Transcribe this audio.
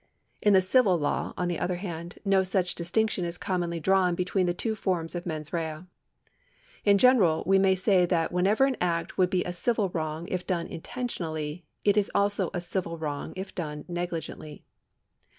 In the civil law, on the other hand, no such dis tinction is commonly drawn between the two forms of 7nens rea. In general we may say that whenever an act would be a civil wrong if done intentionally, it is also a civil wrong if done negligently.